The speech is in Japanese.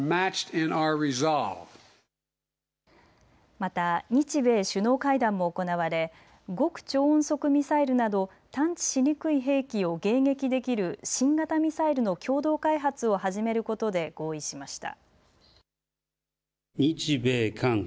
また日米首脳会談も行われ極超音速ミサイルなど探知しにくい兵器を迎撃できる新型ミサイルの共同開発を始めることで合意しました。